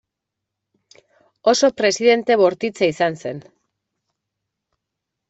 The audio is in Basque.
Oso presidente bortitza izan zen.